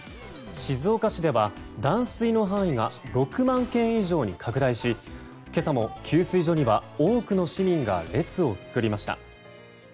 静岡市では断水の範囲が６万軒以上に拡大し今朝も給水所には多くの市民が列を作りました。